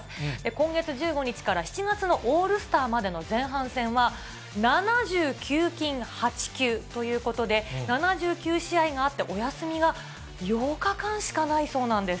今月１５日から７月のオールスターまでの前半戦は、７９勤８休ということで、７９試合があって、お休みが８日間しかないそうなんです。